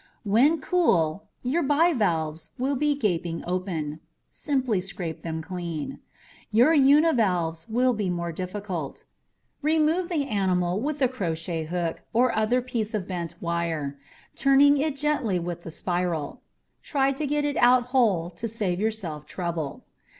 When cool, your bivalves will be gaping open; simply scrape them clean. Your univalves will be more difficult; remove the animal with a crocket hook or other piece of bent wire, turning it gently with the spiral; try to get it out whole to save yourself trouble.